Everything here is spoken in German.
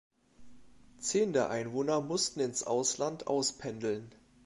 Zehn der Einwohner mussten ins Ausland auspendeln.